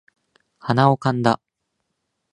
鼻をかんだ